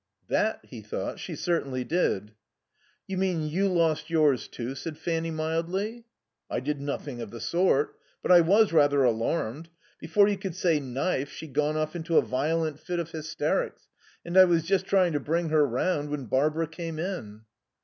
"That," he thought, "she certainly did." "You mean you lost yours too?" said Fanny mildly. "I did nothing of the sort. But I was rather alarmed. Before you could say 'knife' she'd gone off into a violent fit of hysterics, and I was just trying to bring her round when Barbara came in."